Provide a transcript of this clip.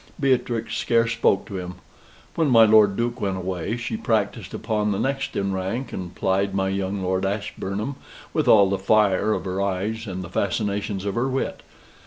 Beatrix scarce spoke to him. When my Lord Duke went away, she practised upon the next in rank, and plied my young Lord Ashburnham with all the fire of her eyes and the fascinations of her wit.